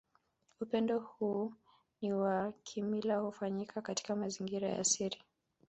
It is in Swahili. Upendo huu ni wa kimila hufanyika katika mazingira ya siri